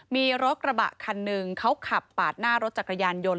มีรถกระบะคันหนึ่งเขาขับปาดหน้ารถจักรยานยนต์